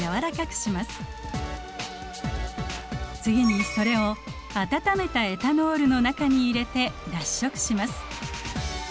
次にそれを温めたエタノールの中に入れて脱色します。